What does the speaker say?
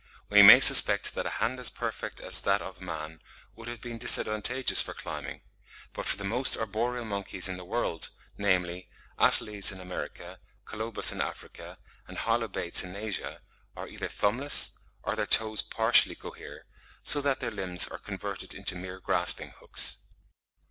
We may suspect that a hand as perfect as that of man would have been disadvantageous for climbing; for the most arboreal monkeys in the world, namely, Ateles in America, Colobus in Africa, and Hylobates in Asia, are either thumbless, or their toes partially cohere, so that their limbs are converted into mere grasping hooks.